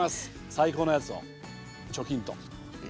最高のやつをチョキンと。